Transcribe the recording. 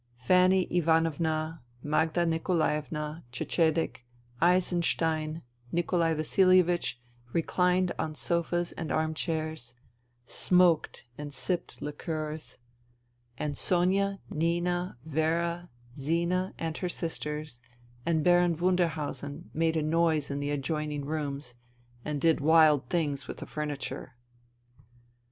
Fanny Ivanovna, Magda Nikolaevna, Cecedek, Eisenstein, Nikolai Vasilievich, reclined on sofas and arm chairs, smoked and sipped liqueurs ; and 188 FUTILITY Sonia, Nina, Vera, Zina and her sisters and Baron Wunderhausen made a noise in the adjoining rooms and did wild things with the furniture.